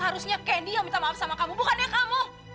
harusnya kendi yang minta maaf sama kamu bukannya kamu